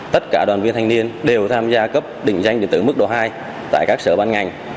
tất cả đoàn viên thanh niên đều tham gia cấp đỉnh danh điện tử mức độ hai tại các sở ban ngành